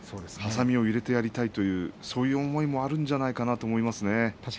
はさみを入れてやりたいというそういう思いがあるんじゃないかと思いますね。